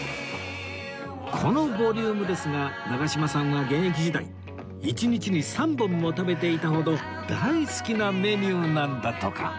このボリュームですが長嶋さんは現役時代１日に３本も食べていたほど大好きなメニューなんだとか